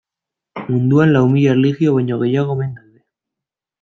Munduan lau mila erlijio baino gehiago omen daude.